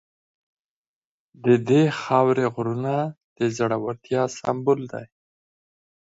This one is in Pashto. د دې خاورې غرونه د زړورتیا سمبول دي.